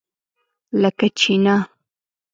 لکه چینۀ!